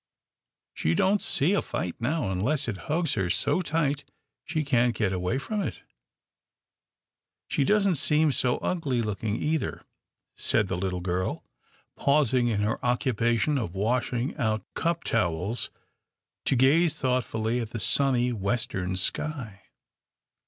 She don't see a fight now, unless it hugs her so tight she can't get away from it." " She doesn't seem so ugly looking, either," said the little girl, pausing in her occupation of washing out cuptowels to gaze thoughtfully at the sunny, western sky.